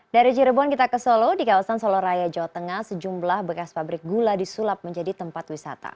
dari cirebon kita ke solo di kawasan soloraya jawa tengah sejumlah bekas pabrik gula disulap menjadi tempat wisata